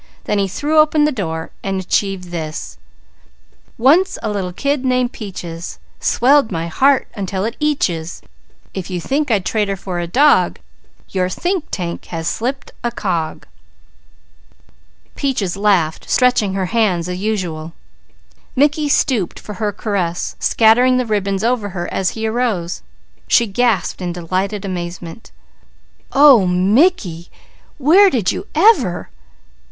Then he threw open his door and achieved this: "_Once a little kid named Peaches, Swelled my heart until it eatches. If you think I'd trade her for a dog, Your think tank has slipped a cog!_" Peaches laughed, stretching her hands as usual. Mickey stooped for her caress, scattering the ribbons over her as he arose. She gasped in delighted amazement. "Oh! Mickey! Where did you ever?